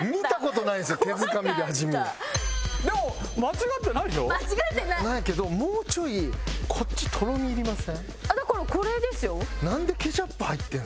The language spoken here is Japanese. ないけどもうちょいこっちとろみいりません？